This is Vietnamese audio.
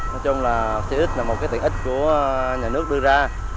nói chung là xe buýt là một tiện ích của nhà nước đưa ra